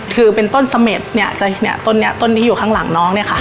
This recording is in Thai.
คือเป็นต้นสะเม็ดเนี่ยต้นเนี่ยต้นที่อยู่ข้างหลังน้องเนี่ยค่ะ